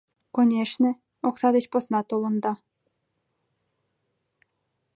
— Конешне, окса деч посна толында.